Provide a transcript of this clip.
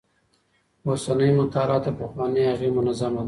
اوسنۍ مطالعه تر پخوانۍ هغې منظمه ده.